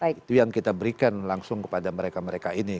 itu yang kita berikan langsung kepada mereka mereka ini